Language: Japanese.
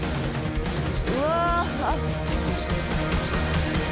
うわ！